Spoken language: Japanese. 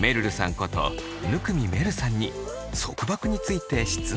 こと生見愛瑠さんに束縛について質問が。